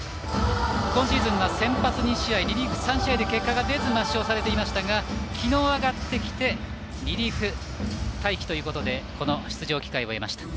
今シーズンは先発２試合リリーフ３試合で結果が出ず抹消されていましたがきのう上がってきてリリーフ待機ということでこの出場機会を得ました。